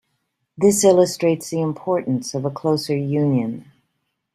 This illustrates the importance of a closer union.